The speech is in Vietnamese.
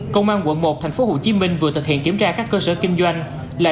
công an quận một tp hcm vừa thực hiện kiểm tra các cơ sở kinh doanh là